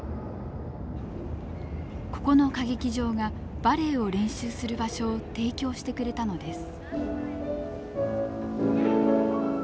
ここの歌劇場がバレエを練習する場所を提供してくれたのです。